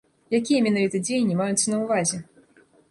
Якія менавіта дзеянні маюцца на ўвазе?